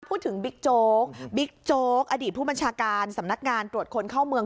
บิ๊กโจ๊กบิ๊กโจ๊กอดีตผู้บัญชาการสำนักงานตรวจคนเข้าเมือง